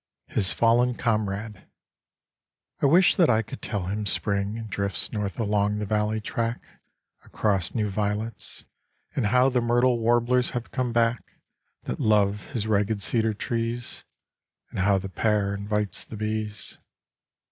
His Fallen Comrade I wish that I could tell him Spring Drifts north along the valley track Across new violets, and how The myrtle warblers have come back That love his ragged cedar trees, And how the pear invites the bees.